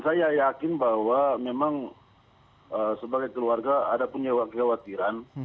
saya yakin bahwa memang sebagai keluarga ada punya kekhawatiran